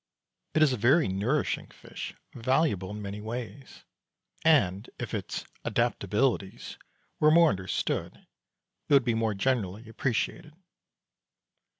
It is a very nourishing fish, valuable in many ways, and if its "adaptabilities" were more understood it would be more generally appreciated.